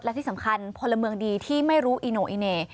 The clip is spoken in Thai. และที่สำคัญพลเมืองดีที่ไม่รู้อีโน่อีเหน่